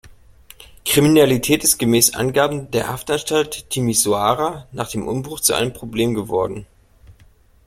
Kriminalität ist gemäß Angaben der Haftanstalt Timișoara nach dem Umbruch zu einem Problem geworden.